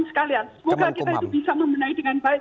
semoga kita itu bisa membenahi dengan baik